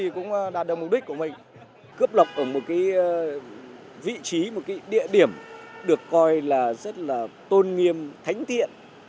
cướp lọc ở một vị trí một địa điểm được coi là rất là tôn nghiêm thánh thiện